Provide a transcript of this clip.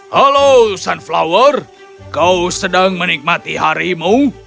halo sunflower kau sedang menikmati harimu